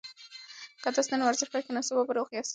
که تاسي نن ورزش پیل کړئ نو سبا به روغ یاست.